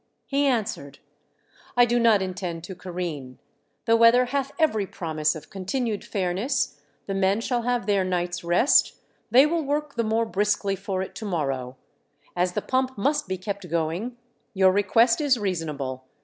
" He answered : "I do not intend to careen ; the weather hath every promise of continued fairness ; the men shall have their night's rest ; they will work the more briskly for it to morrow. As the pump must be kept going, your request is reasonable.